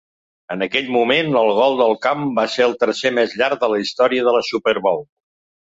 En aquell moment, el gol de camp va ser el tercer més llarg de la història de la Super Bowl.